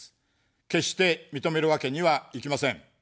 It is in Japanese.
決して認めるわけにはいきません。